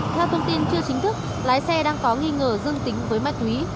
theo thông tin chưa chính thức lái xe đang có nghi ngờ dương tính với ma túy